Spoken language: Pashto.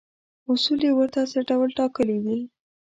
اصول یې ورته څه ډول ټاکلي وي.